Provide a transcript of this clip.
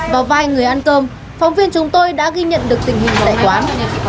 vào vài người ăn cơm phóng viên chúng tôi đã ghi nhận được tình hình tại quán